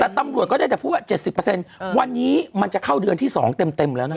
แต่ตำรวจก็ได้แต่พูดว่า๗๐วันนี้มันจะเข้าเดือนที่๒เต็มแล้วนะ